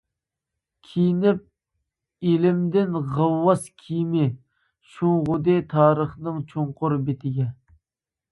كىيىنىپ ئىلىمدىن غەۋۋاس كىيىمى، شۇڭغۇدى تارىخنىڭ چوڭقۇر بېتىگە.